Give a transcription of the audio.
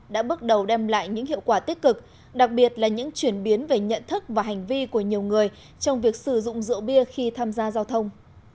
đã bước đầu đem lại những hiệu quả tích cực đặc biệt là những chuyển biến về nhận thức và hành vi của nhiều người trong việc sử dụng rượu bia khi tham gia giao thông